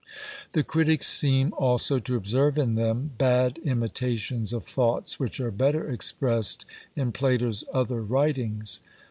The critics seem also to observe in them bad imitations of thoughts which are better expressed in Plato's other writings.